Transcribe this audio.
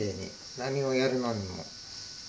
何をやるのにも。